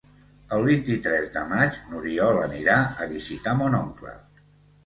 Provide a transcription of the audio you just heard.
El vint-i-tres de maig n'Oriol anirà a visitar mon oncle.